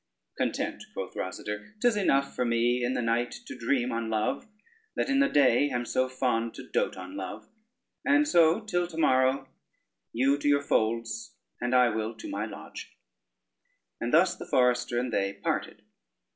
"Content," quoth Rosader, "'tis enough for me in the night to dream on love, that in the day am so fond to doat on love: and so till to morrow you to your folds, and I will to my lodge." And thus the forester and they parted.